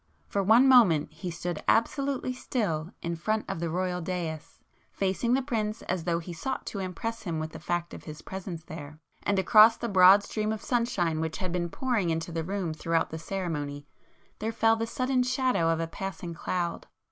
For one moment he stood absolutely still in front of the Royal daïs,—facing the Prince as though he sought to impress him with the fact of his presence there,—and across the broad stream of sunshine which had been pouring into the room throughout the ceremony, there fell the sudden shadow of a passing cloud.